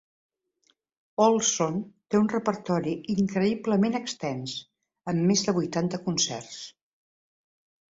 Ohlsson té un repertori increïblement extens, amb més de vuitanta concerts.